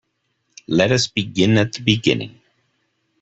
Let us begin at the beginning